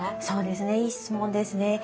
そうですね。